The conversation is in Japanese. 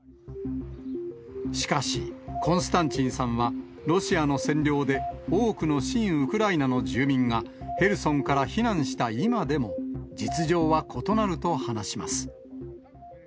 しかし、コンスタンチンさんは、ロシアの占領で、多くの親ウクライナの住民がヘルソンから避難した今でも、実情は異なると話します。